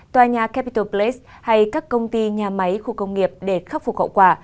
tòa nhà capital place hay các công ty nhà máy khu công nghiệp để khắc phục hậu quả